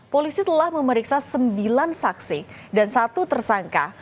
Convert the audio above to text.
polisi telah memeriksa sembilan saksi dan satu tersangka